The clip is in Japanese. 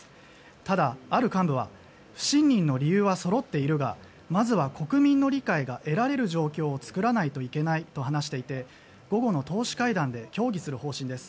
ただ、ある幹部は不信任の理由はそろっているがまずは国民の理解が得られる状況を作らないといけないと話していて午後の党首会談で協議する方針です。